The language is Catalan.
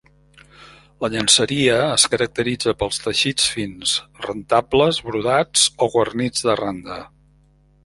La llenceria es caracteritza pels teixits fins, rentables, brodats o guarnits de randa.